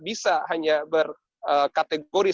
bisa hanya berkategori